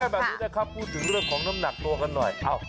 แบบนี้นะครับพูดถึงเรื่องของน้ำหนักตัวกันหน่อย